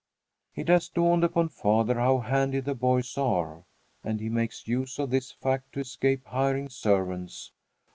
It has dawned upon father how handy the boys are, and he makes use of this fact to escape hiring servants.